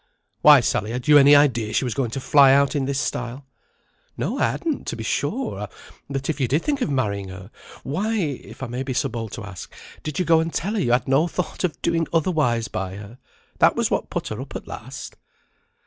"Why, Sally, had you any idea she was going to fly out in this style?" "No, I hadn't, to be sure. But if you did think of marrying her, why (if I may be so bold as to ask) did you go and tell her you had no thought of doing otherwise by her? That was what put her up at last!"